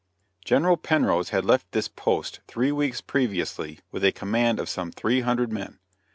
General Penrose had left this post three weeks previously with a command of some three hundred men.